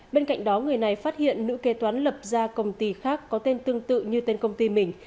bên cạnh đó người này phát hiện nữ kế toán lập ra công ty khác có tên tương tự như tên công ty mình